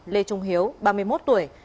lê trung hiếu ba mươi một tuổi